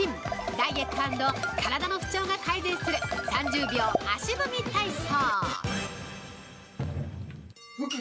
ダイエット＆体の不調が改善する３０秒足踏み体操。